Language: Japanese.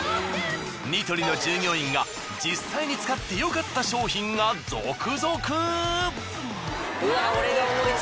ニトリの従業員が実際に使って良かった商品が続々！